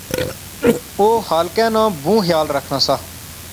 او خالقے ناں بہوں خیال رکھنا سا